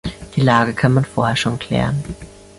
Die Lage kann man vorher schon klären.